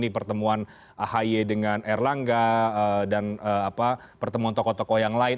di pertemuan ahy dengan erlangga dan pertemuan tokoh tokoh yang lain